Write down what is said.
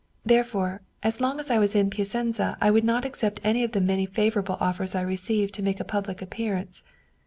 Therefore, as long as I was in Piacenza I would not accept any of the many favorable offers I received to make a public appear ance.